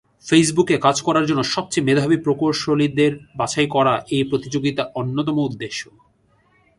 ফেসবুকে কাজ করার জন্য সবচেয়ে মেধাবী প্রকৌশলীদের বাছাই করা এই প্রতিযোগিতার অন্যতম উদ্দেশ্য।